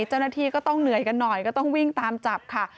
เจ้าหน้าที่ก็ต้องเหนื่อยกันหน่อยก็ต้องวิ่งตามจับค่ะ